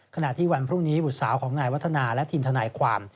ขณะที่วันพรุ่งนี้บุตรสาวของนายวัฒนาและทีมทนายความ